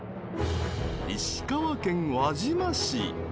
石川県輪島市。